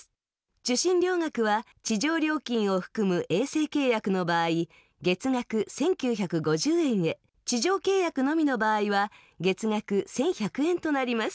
受信料額は地上料金を含む衛星契約の場合月額１９５０円へ地上契約のみの場合は月額１１００円となります。